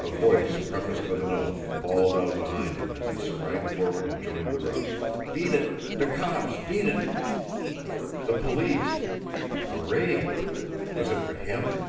A voice, prefaced with an oath, bawled out behind him, as he sprang forward and joined the rush: "Beat it! De cops! Beat it!" The police! A raid! Was it for HIM?